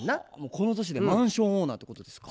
この年でマンションオーナーってことですか。